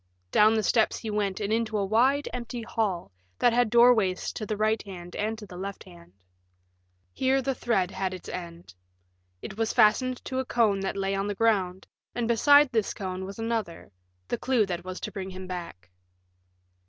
Down the steps he went and into a wide, empty hall that had doorways to the right hand and to the left hand. Here the thread had its end. It was fastened to a cone that lay on the ground, and beside this cone was another the clue that was to bring him back.